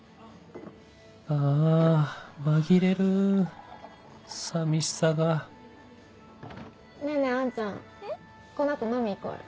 あぁ紛れる寂しさがねぇねぇアンちゃんこの後飲み行こうよ。